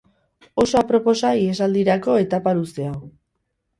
Oso aproposa ihesaldirako etapa luze hau.